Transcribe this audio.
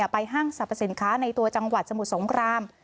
ห้างสรรพสินค้าในตัวจังหวัดสมุทรสงคราม